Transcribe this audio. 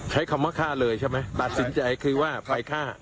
ใช้คำว่าฆ่าเลยใช่ไหมตัดสินใจคือว่าไปฆ่า